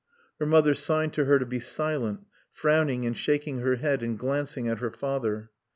Her mother signed to her to be silent, frowning and shaking her head and glancing at her father.